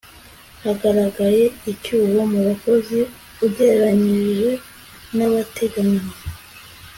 hagaragaye icyuho mu bakozi ugereranyije n'abateganywa